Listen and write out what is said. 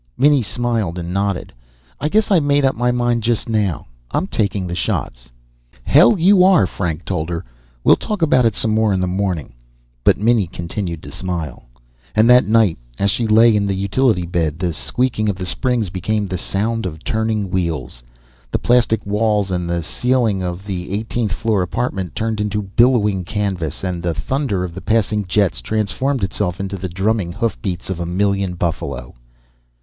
Minnie smiled and nodded. "I guess I made up my mind just now. I'm taking the shots." "Hell you are!" Frank told her. "We'll talk about it some more in the morning." But Minnie continued to smile. And that night, as she lay in the utility bed, the squeaking of the springs became the sound of turning wheels. The plastic walls and ceiling of the eightieth floor apartment turned to billowing canvas, and the thunder of the passing jets transformed itself into the drumming hoofbeats of a million buffalo.